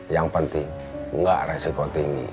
yang penting enggak resiko tinggi